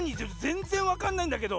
ぜんぜんわかんないんだけど！